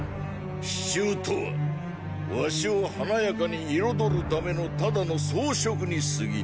“四柱”とは儂を華やかに彩るためのただの“装飾”にすぎぬ。